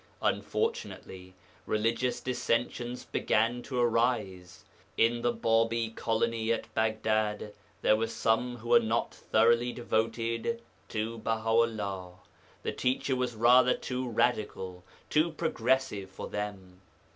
Unfortunately religious dissensions began to arise. In the Bābī colony at Baghdad there were some who were not thoroughly devoted to Baha 'ullah. The Teacher was rather too radical, too progressive for them.